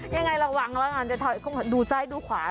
ยังไงระวังดูใส่ดูขวา